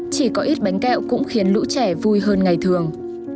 chỉ có ít bánh kẹo cũng khiến lũ trẻ vui hơn ngày thường